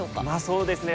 そうですね